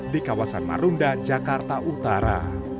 di kawasan marunda jakarta utara